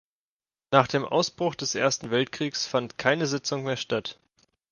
Nach dem Ausbruch des Ersten Weltkriegs fand keine Sitzung mehr statt.